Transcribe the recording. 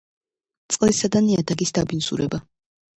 წყლისა და ნიადაგის დაბინძურება